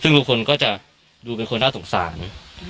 ซึ่งลุงพลก็จะดูเป็นคนน่าสงสารอืม